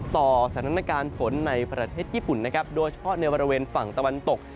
ต่อสถานการณ์ฝนในประเทศญี่ปุ่นนะครับโดยเฉพาะในบริเวณฝั่งตะวันตก